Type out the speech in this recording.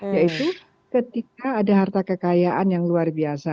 yaitu ketika ada harta kekayaan yang luar biasa